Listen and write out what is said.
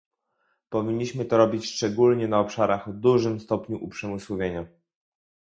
Powinniśmy to robić szczególnie na obszarach o dużym stopniu uprzemysłowienia